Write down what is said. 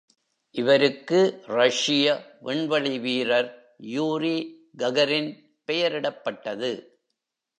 இவருக்கு ரஷ்ய விண்வெளி வீரர் யூரி ககரின் பெயரிடப்பட்டது.